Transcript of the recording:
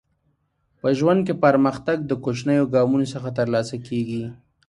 په ژوند کې پرمختګ د کوچنیو ګامونو څخه ترلاسه کیږي.